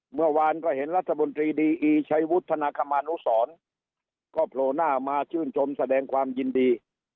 เมื่อวานก็เห็นรัฐมนตรีดีอีชัยวุฒนาคมานุสรก็โผล่หน้ามาชื่นชมแสดงความยินดี